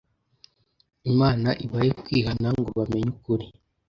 Imana ibahe kwihana ngo bamenye ukuri.